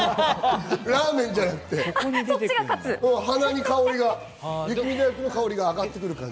ラーメンじゃなくて、鼻に香りが上がってくる感じ。